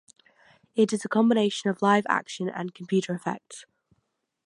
It is a combination of live action and computer effects.